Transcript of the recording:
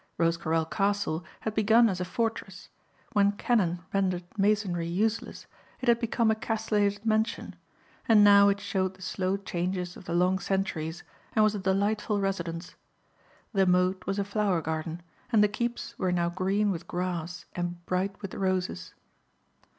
Rosecarrel Castle had begun as a fortress; when cannon rendered masonry useless it had become a castellated mansion and now it showed the slow changes of the long centuries and was a delightful residence. The moat was a flower garden and the keeps were now green with grass and bright with roses.